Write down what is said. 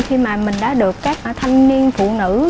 khi mà mình đã được các thanh niên phụ nữ